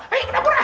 hei kenapa lah